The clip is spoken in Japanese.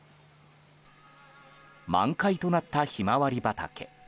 満開となったヒマワリ畑。